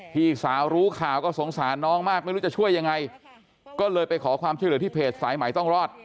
พี่สาวรู้ข่าวก็สงสารน้องมากไม่รู้จะช่วยยังไงก็เลยไปขอความช่วยเหลือที่เพจสายใหม่ต้องรอด